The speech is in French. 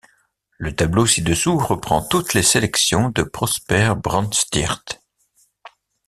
Le tableau ci-dessous reprend toutes les sélections de Prosper Brandsteert.